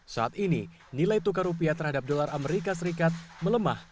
saat ini nilai tukar rupiah terhadap dolar amerika serikat melemah